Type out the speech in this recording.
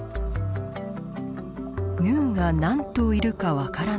ヌーが何頭いるかわからない。